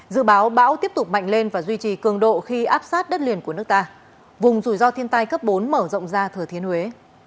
dự báo bão tiếp tục mạnh lên và duy trì cường độ khi áp sát đất liền của nước ta vùng rủi ro thiên tai cấp bốn mở rộng ra thừa thiên huế